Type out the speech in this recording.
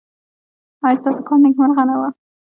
ایا ستاسو کال نیکمرغه نه و؟